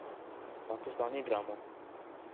پاکستانی ڈراموں